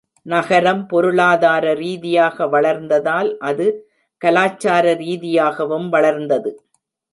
நகரம் பொருளாதார ரீதியாக வளர்ந்ததால், அது கலாச்சார ரீதியாகவும் வளர்ந்தது.